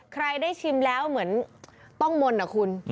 ใครได้ชิมแล้วเหมือนต้องมนต์นะคุณ